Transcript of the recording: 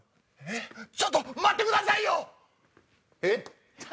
えっちょっと待ってくださいよ！